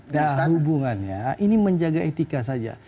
dasar hubungannya ini menjaga etika saja